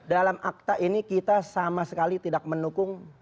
dalam akta ini kita sama sekali tidak mendukung